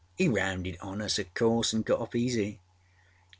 He rounded on us, oâ course, anâ got off easy.